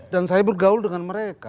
dan saya bergaul dengan mereka